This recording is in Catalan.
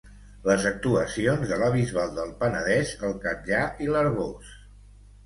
les actuacions de la Bisbal del Penedès, el Catllar i l'Arboç